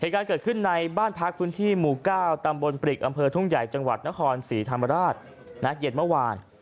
การเกิดขึ้นในบ้านพักพื้นที่หมู่๙ตำบลปริกอำเภอทุ่งใหญ่จังหวัดนครศรีธรรมราชณเย็นเมื่อวาน